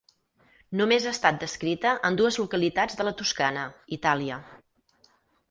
Només ha estat descrita en dues localitats de la Toscana, Itàlia.